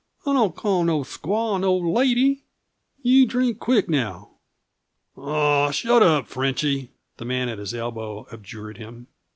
I don't call no squaw no lady. You drink queeck, now!" "Aw, shut up, Frenchy," the man at his elbow abjured him.